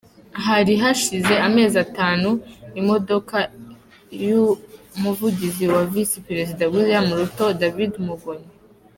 Hari hashize amezi atanu imodoka y’Umuvugizi wa visi Perezida William Ruto, David Mugonyi.